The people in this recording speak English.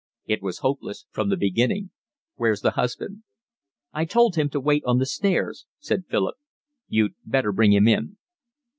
"It was hopeless from the beginning. Where's the husband?" "I told him to wait on the stairs," said Philip. "You'd better bring him in."